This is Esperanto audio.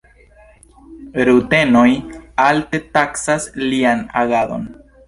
Rutenoj alte taksas lian agadon.